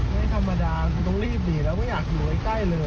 ไม่ธรรมดาคุณต้องรีบหนีแล้วไม่อยากอยู่ใกล้เลย